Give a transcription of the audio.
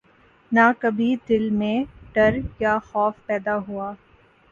نہ کبھی دل میں ڈر یا خوف پیدا ہوا